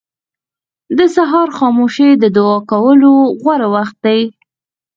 • د سهار خاموشي د دعا کولو غوره وخت دی.